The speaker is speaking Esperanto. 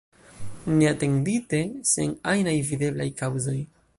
Neatendite, sen ajnaj videblaj kaŭzoj.